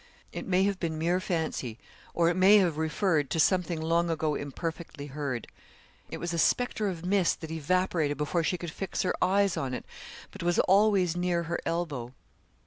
It may have been mere fancy, or it may have referred to something long ago imperfectly heard. It was a spectre of mist, that evaporated before she could fix her eyes on it, but was always near her elbow.